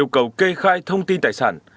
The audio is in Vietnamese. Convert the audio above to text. cầu kê khai thông tin tài sản